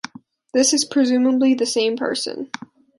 This is presumably the same person.